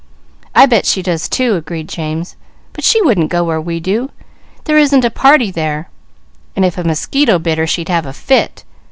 "I bet she does, too," agreed James. "But she wouldn't go where we do. There isn't a party there, and if a mosquito bit her she'd have a fit."